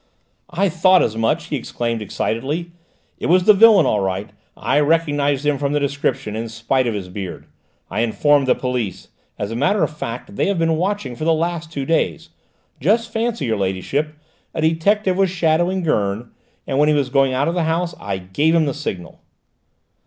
"I thought as much!" he exclaimed excitedly. "It was the villain all right. I recognised him from the description, in spite of his beard. I informed the police! As a matter of fact they have been watching for the last two days. Just fancy, your ladyship, a detective was shadowing Gurn and when he was going out of the house I gave him the signal!"